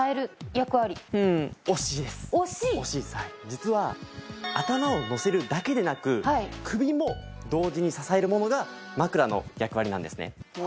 「実は頭をのせるだけでなく首も同時に支えるものが枕の役割なんですね」